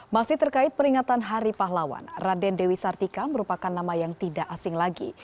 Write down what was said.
masih terkait peringatan hari pahlawan raden dewi sartika merupakan nama yang tidak asing lagi